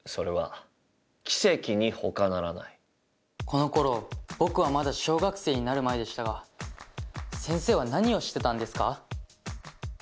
この頃僕はまだ小学生になる前でしたが先生は何をしてたんですか？